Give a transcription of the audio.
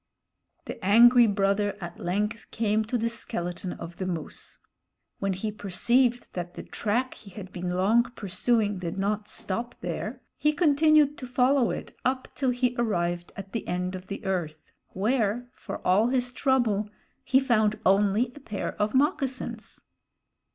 The angry brother at length came to the skeleton of the moose. When he perceived that the track he had been long pursuing did not stop there, he continued to follow it up till he arrived at the end of the earth, where, for all his trouble, he found only a pair of moccasins.